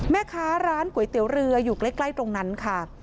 แม่ค้าร้านก๋วยเตี๋ยวเรืออยู่ใกล้ตรงนั้นค่ะ